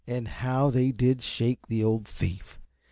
And how they did shake the old thief!